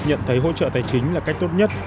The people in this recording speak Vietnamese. nhận thấy hỗ trợ tài chính là cách tốt nhất